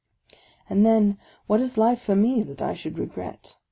And then, what has life for me, that I should regret?